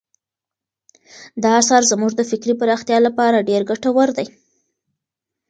دا اثر زموږ د فکري پراختیا لپاره ډېر ګټور دی.